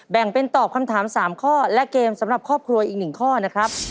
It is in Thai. แบ่งเป็นตอบคำถาม๓ข้อและเกมสำหรับครอบครัวอีก๑ข้อนะครับ